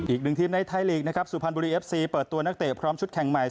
อีกหนึ่งทีมในไทยลีกนะครับสุพรรณบุรีเอฟซีเปิดตัวนักเตะพร้อมชุดแข่งใหม่